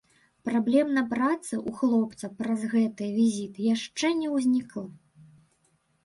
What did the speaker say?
Праблем на працы ў хлопца праз гэты візіт яшчэ не ўзнікла.